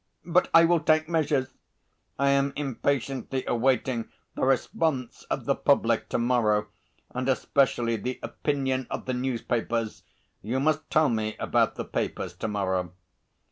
But I will take measures. I am impatiently awaiting the response of the public to morrow, and especially the opinion of the newspapers. You must tell me about the papers to morrow."